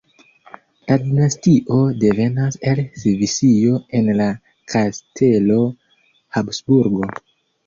La dinastio devenas el Svisio en la kastelo Habsburgo.